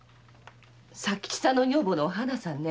佐吉さんの女房のお花さんね